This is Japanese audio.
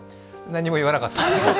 何も言わなかった。